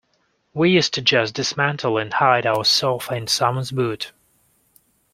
We used to just dismantle and hide our sofa in someone's boot.